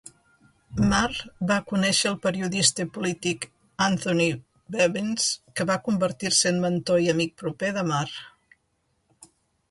Marr va conèixer el periodista polític Anthony Bevins, que va convertir-se en mentor i amic proper de Marr.